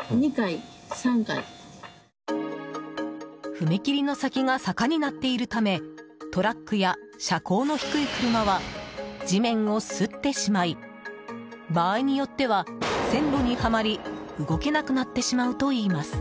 踏切の先が坂になっているためトラックや車高の低い車は地面を擦ってしまい場合によっては線路にはまり動けなくなってしまうといいます。